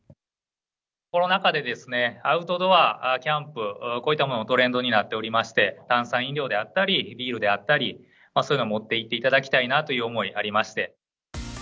コロナ禍でアウトドア、キャンプ、こういったものトレンドになっておりまして、炭酸飲料であったり、ビールであったり、そういうのを持っていっていただきたいなという思いありまして。